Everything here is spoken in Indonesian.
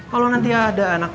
kalau nanti ada anak anak lo